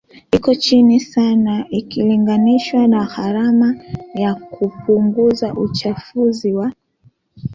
iko chini sana ikilinganishwa na gharama ya kupunguza uchafuzi wa